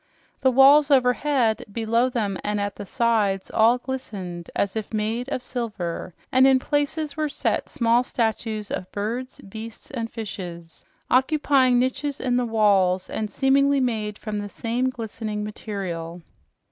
The walls overhead, below them and at the sides all glistened as if made of silver, and in places were set small statues of birds, beasts and fishes, occupying niches in the walls and seemingly made from the same glistening material.